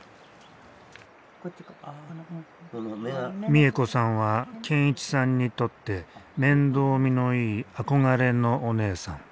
美恵子さんは健一さんにとって面倒見のいい憧れのおねえさん。